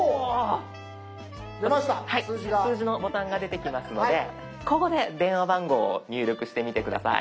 数字のボタンが出てきますのでここで電話番号を入力してみて下さい。